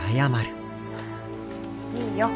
いいよ。